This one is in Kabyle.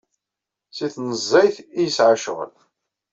Seg tnezzayt i yesɛa ccɣel.